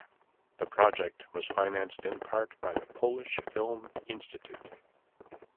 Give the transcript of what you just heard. The project was financed in part by the Polish Film Institute.